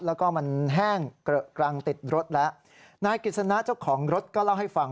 แล้วก็มันแห้งเกลอะกรังติดรถแล้วนายกฤษณะเจ้าของรถก็เล่าให้ฟัง